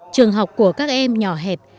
trường học của các em nhỏ hẹp